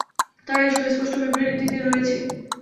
তারাই সুস্পষ্ট বিভ্রান্তিতে রয়েছে।